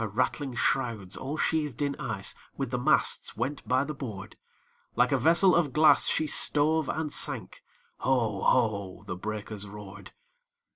Her rattling shrouds, all sheathed in ice, With the masts went by the board; Like a vessel of glass, she stove and sank, Ho! ho! the breakers roared!